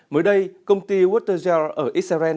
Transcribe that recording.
mới đây công ty watergel ở israel